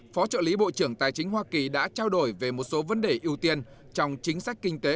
phó trợ lý bộ trưởng tài chính hoa kỳ đã trao đổi về một số vấn đề ưu tiên trong chính sách kinh tế